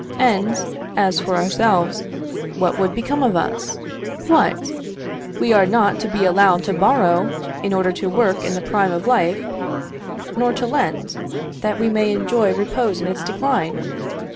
And, as for ourselves, what would become of us? What! we are not to be allowed to borrow, in order to work in the prime of life, nor to lend, that we may enjoy repose in its decline?